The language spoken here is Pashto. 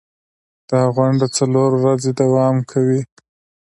دا غونډه څلور ورځې دوام کوي.